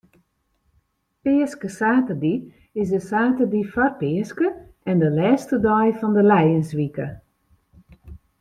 Peaskesaterdei is de saterdei foar Peaske en de lêste dei fan de lijenswike.